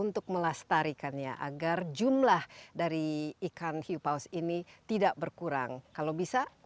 di mana saja hidup faire adanya beruntungan yang melebihi